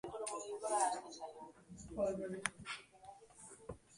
Baina egia da urte luze hauetan asko aurreratu dela ere.